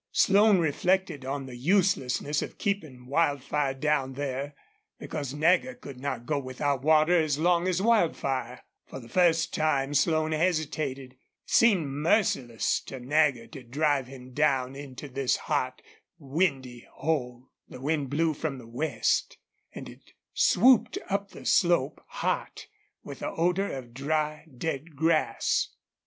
Slone reflected on the uselessness of keeping Wildfire down there, because Nagger could not go without water as long as Wildfire. For the first time Slone hesitated. It seemed merciless to Nagger to drive him down into this hot, windy hole. The wind blew from the west, and it swooped up the slope, hot, with the odor of dry, dead grass.